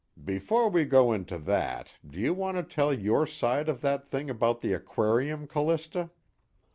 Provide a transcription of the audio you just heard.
"Before we go into that, do you want to tell your side of that thing about the aquarium, Callista?"